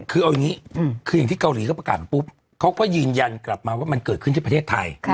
คืออย่างที่เกาหลีก็ประกาศปุ๊บเขาก็ยืนยันกลับมาว่ามันเกิดขึ้นที่ประเทศไทย